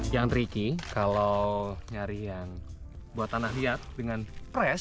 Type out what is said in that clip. yang tricky kalau nyari yang buat tanah liat dengan fresh